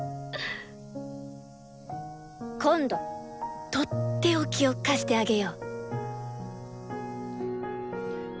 今度とっておきを貸してあげよう。